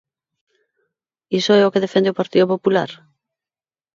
¿Iso é o que defende o Partido Popular?